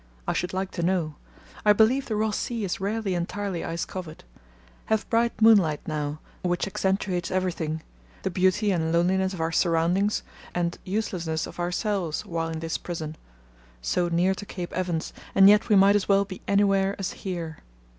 I should like to know. I believe the Ross Sea is rarely entirely ice covered. Have bright moonlight now, which accentuates everything—the beauty and loneliness of our surroundings, and uselessness of ourselves, while in this prison: so near to Cape Evans and yet we might as well be anywhere as here.